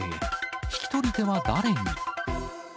引き取り手は誰に。